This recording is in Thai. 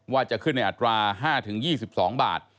ว่าจะขึ้นในอัตรา๕๒๒บาท